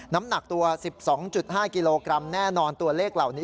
น้ำหนักตัว๑๒๕กิโลกรัมแน่นอนตัวเลขเหล่านี้